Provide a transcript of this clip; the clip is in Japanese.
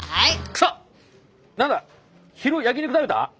何だ昼焼き肉食べた？